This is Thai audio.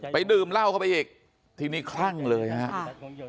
ดื่มเหล้าเข้าไปอีกทีนี้คลั่งเลยนะครับ